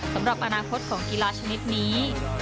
สำหรับอนาคตของกีฬาชนิดนี้